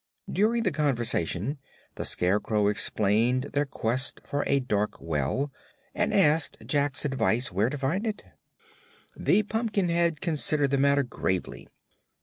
During the conversation the Scarecrow explained their quest for a dark well, and asked Jack's advice where to find it. The Pumpkinhead considered the matter gravely.